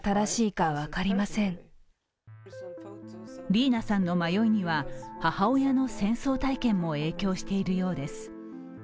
リーナさんの迷いには、母親の戦争体験も影響しているようです。